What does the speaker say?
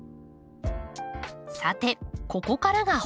さてここからが本題。